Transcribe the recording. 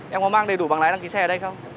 em có mang đầy đủ bằng lái đăng ký xe ở đây không